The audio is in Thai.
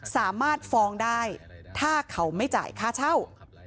สามารถฟ้องได้ถ้าเขาไม่จ่ายค่าเช่า